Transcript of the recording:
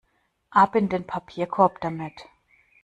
Ab in den Papierkorb damit!